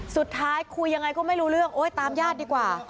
สุดท้ายคุยยังไงก็ไม่รู้เรื่องโอ๊ยตามญาติดีกว่า